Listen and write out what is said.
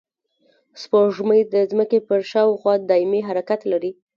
سپوږمۍ د ځمکې پر شاوخوا دایمي حرکت لري